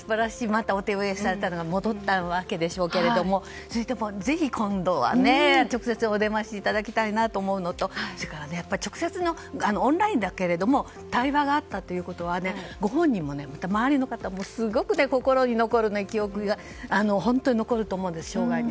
またお手植えされたのが戻ったのでしょうけどもぜひ今度は直接お出ましいただきたいなと思うのとそれからオンラインだけれども対話があったということはご本人も、また周りの方もすごく心に残る記憶が、本当に残ると思うんです。